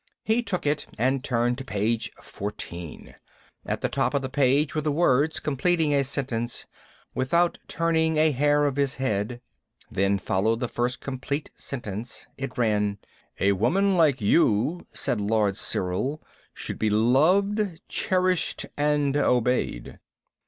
He took it and turned to page fourteen. At the top of the page were the words, completing a sentence, " without turning a hair of his head." Then followed the first complete sentence. It ran: "'A woman like you,' said Lord Cyril, 'should be loved, cherished, and obeyed.'"